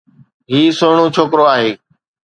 هي سهڻو ڇوڪرو آهي